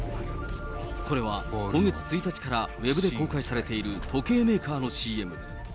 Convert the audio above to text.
これは今月１日からウェブで公開されている時計メーカーのＣＭ。